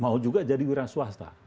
mau juga jadi wiran swasta